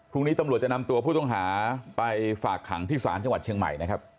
พรุ่งนี้ตำรวจจะนำตัวผู้ต้องหาไปฝากขังที่ศาลจังหวัดเชียงใหม่นะครับ